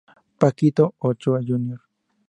Paquito Ochoa, Jr.